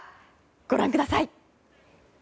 ご覧ください。